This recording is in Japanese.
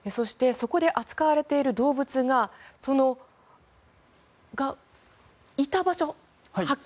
そこで扱われている動物がいた場所